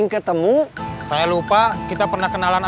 kamu mau berenang